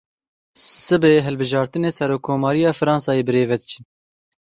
Sibê hilbijartinên serokkomariya Fransayê birêve diçin.